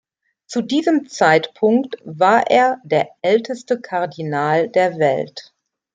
Zu diesem Zeitpunkt war er der älteste Kardinal der Welt.